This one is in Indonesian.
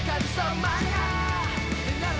tak sempre pol